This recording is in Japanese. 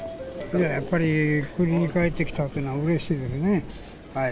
やっぱり国に帰ってきたというのはうれしいですね。